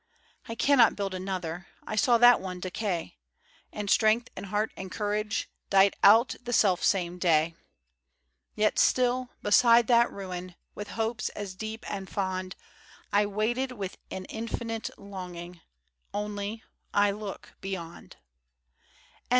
I cannot build another, I saw that one decay ; And strength and heart and courage Died out the self same day. o 6 FROM QUEENS' GARDENS. Yet still, beside that ruin, With hopes as deep and fond, I waited with an infinite longing, Only — I look beyond.